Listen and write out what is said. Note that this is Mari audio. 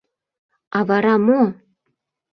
А вара мо?